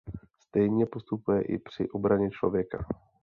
Stejně postupuje i při obraně člověka.